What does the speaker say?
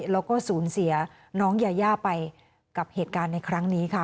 แล้วก็สูญเสียน้องยายาไปกับเหตุการณ์ในครั้งนี้ค่ะ